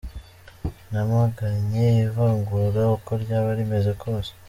"Namaganye ivangura uko ryaba rimeze kose.